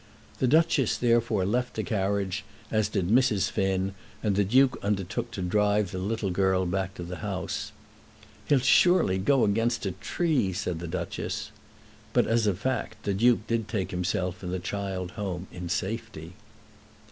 The Duchess therefore left the carriage, as did Mrs. Finn, and the Duke undertook to drive the little girl back to the house. "He'll surely go against a tree," said the Duchess. But, as a fact, the Duke did take himself and the child home in safety.